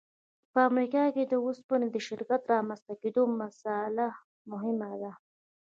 په امریکا کې د اوسپنې د شرکت د رامنځته کېدو مسأله مهمه ده